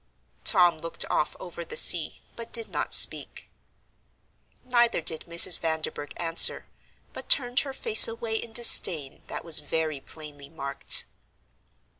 Tom looked off over the sea, but did not speak. Neither did Mrs. Vanderburgh answer, but turned her face away in disdain that was very plainly marked.